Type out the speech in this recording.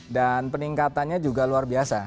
dan peningkatannya juga luar biasa